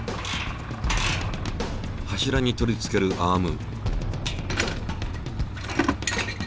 柱に取り付けるアーム。